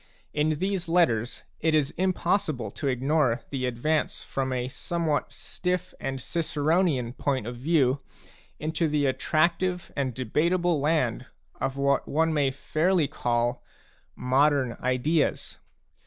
In these letters, it is impossible to ignore the advance from a somewhat stiff and Ciceronian point of view into the attractive and debatable land of what one may fairly call modern ideas.